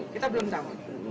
kita belum tahu